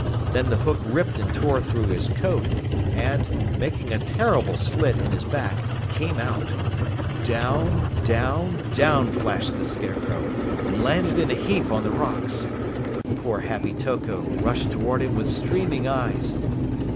Then the hook ripped and tore through his coat and, making a terrible slit in his back, came out. Down, down, down flashed the Scarecrow and landed in a heap on the rocks. Poor Happy Toko rushed toward him with streaming eyes.